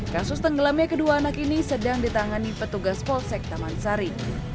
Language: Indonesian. kasus tenggelamnya kedua anak ini sedang ditangani petugas polsek taman sari